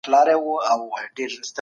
موږ په لږه موده کي ډېر پرمختګ وکړ.